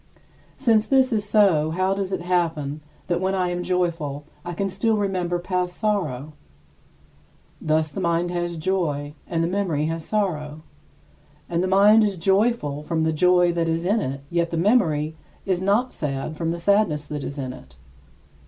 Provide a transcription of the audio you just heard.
Since this is so, how does it happen that when I am joyful I can still remember past sorrow? Thus the mind has joy, and the memory has sorrow; and the mind is joyful from the joy that is in it, yet the memory is not sad from the sadness that is in it.